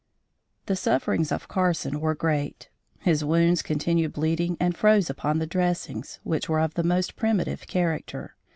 The sufferings of Carson were great. His wounds continued bleeding and froze upon the dressings, which were of the most primitive character.